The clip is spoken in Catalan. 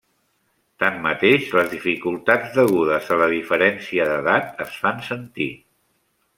Tanmateix les dificultats degudes a la diferència d'edat es fan sentir.